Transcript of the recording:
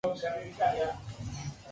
Entre el modernismo y la vanguardia".